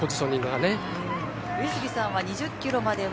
上杉さんは２０キロまでは